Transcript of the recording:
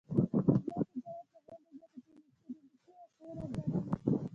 آزاد تجارت مهم دی ځکه چې الکترونیکي وسایل ارزانوي.